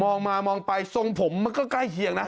มามองไปทรงผมมันก็ใกล้เคียงนะ